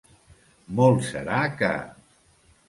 Molt serà que...